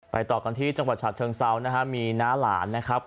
ไปต่อกันที่จังหวัดฉะเชิงซาวนะครับมีน้าร้านนะครับ